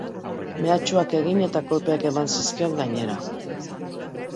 Mehatxuak egin eta kolpeak eman zizkion, gainera.